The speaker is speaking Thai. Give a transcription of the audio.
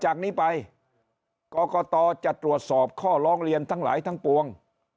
จากนี้ไปกรกตจะตรวจสอบข้อร้องเรียนทั้งหลายทั้งปวง